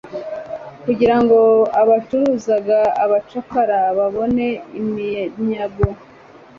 kugira ngo abacuruzaga abacakara babone iminyago,